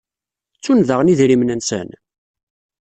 Ttun daɣen idrimen-nsen?